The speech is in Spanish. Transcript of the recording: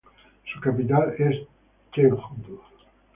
Su capital es Chengdu.